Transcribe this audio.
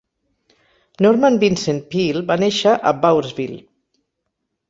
Norman Vincent Peale va néixer a Bowersville.